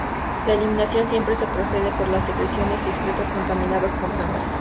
La eliminación siempre se produce por las secreciones y excretas contaminadas con sangre.